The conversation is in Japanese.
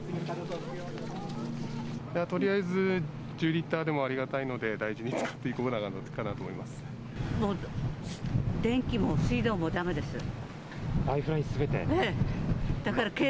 とりあえず、１０リッターでもありがたいので、大事に使っていこうかなと思います。